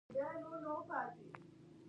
دوی وایي مصر شاړې ځمکې او کافي ورښتونه نه لري.